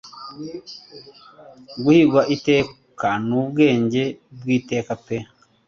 Guhigwa iteka n'ubwenge bw'iteka pe -